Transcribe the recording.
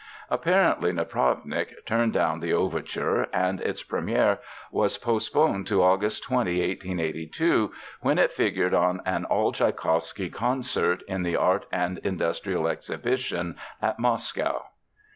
Apparently Napravnik turned down the overture, and its première was postponed to August 20, 1882, when it figured on an all Tschaikowsky concert in the Art and Industrial Exhibition at Moscow.